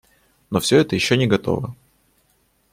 Но все это еще не готово.